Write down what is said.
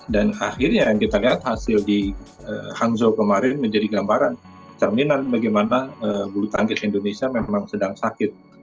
dan akhirnya yang kita lihat hasil di hangzhou kemarin menjadi gambaran cerminan bagaimana buluh tangkis indonesia memang sedang sakit